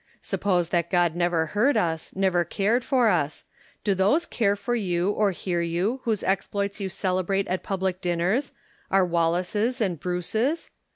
Suppose that God never heard us, never cared for us : do those cai e for you or hear you whose exploits you celebrate at public dinners — our Wallaces and Bruces?